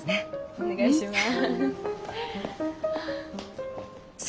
お願いします。